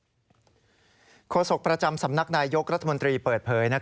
โทรศัลเซิร์น๙กำเนิดโคษกประจำสำนักนายยกรรธมนตรีเปิดเพย